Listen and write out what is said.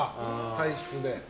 体質で。